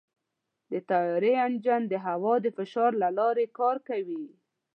د طیارې انجن د هوا د فشار له لارې کار کوي.